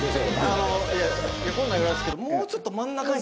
あのこんなん言うのあれですけどもうちょっと真ん中に。